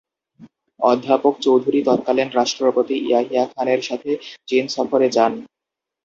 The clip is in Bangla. অধ্যাপক চৌধুরী তৎকালীন রাষ্ট্রপতি ইয়াহিয়া খানের সাথে চীন সফরে যান।